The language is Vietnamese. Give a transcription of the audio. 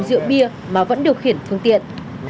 tại vì rượu bia mà vẫn điều khiển phương tiện